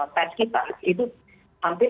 pes kita itu hampir